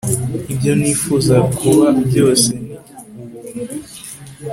ibyo nifuza kuba byose ni ubuntu